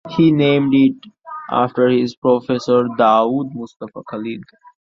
He named it after his professor Daoud Mustafa Khalid.